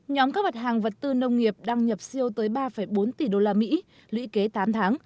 nhóm các mặt hàng vật tư nông nghiệp đang nhập siêu tới ba bốn tỷ usd lũy kế tám tháng